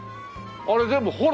あれ全部幌？